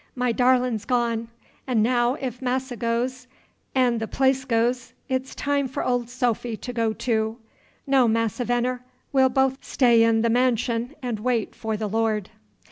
My darlin' 's gone; 'n' now, if Masse goes, 'n' th' of place goes, it's time for Ol' Sophy to go, too. No, Masse Veneer, we'll both stay in th' of mansion 'n' wait for th' Lord!"